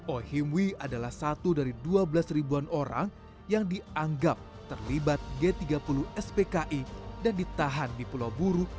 ohimwi adalah satu dari dua belas ribuan orang yang dianggap terlibat g tiga puluh spki dan ditahan di pulau buru